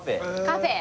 カフェ。